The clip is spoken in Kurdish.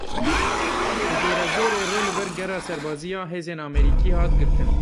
Li Dêre Zorê rê li ber gera serbazî ya hêzên Amerîkî hat girtin.